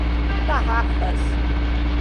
Tarrafas